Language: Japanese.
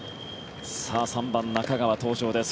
３番、中川登場です。